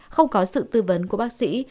không có sự tư vấn của bác sĩ